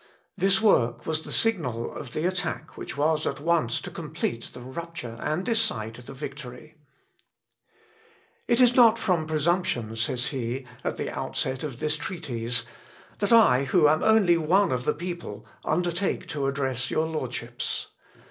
_' This work was the signal of the attack which was at once to complete the rupture and decide the victory. L. Op. (L.) xvii, 457 502. "It is not from presumption," says he, at the outset of this Treatise, "that I, who am only one of the people, undertake to address your lordships.